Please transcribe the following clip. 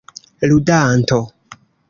ludanto